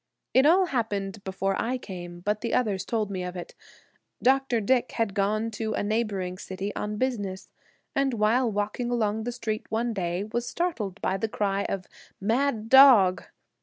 It all happened before I came, but the others told me of it. Dr. Dick had gone to a neighboring city on business, and while walking along the street one day was startled by the cry of "Mad dog."